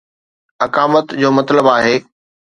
اقامت جو مطلب آهي